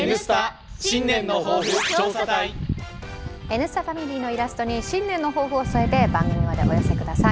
「Ｎスタ」ファミリーのイラストに新年の抱負を添えて番組までお寄せください。